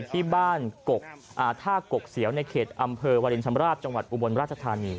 ที่บ้านท่ากกเสียวในเขตอำเภอวาลินชำราบจังหวัดอุบลราชธานี